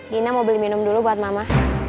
gina mau beli minum dulu buat mama